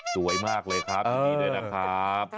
สวยมากเลยครับที่นี่ด้วยนะครับ